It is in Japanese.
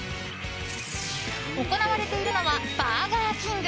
行われているのはバーガーキング。